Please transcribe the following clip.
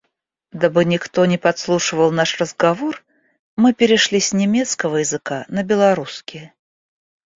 Дабы никто не подслушивал наш разговор, мы перешли с немецкого языка на белорусский.